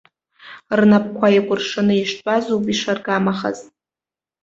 Рнапқәа еикәыршаны иштәазоуп ишаргамахаз.